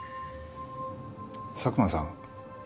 佐久間さん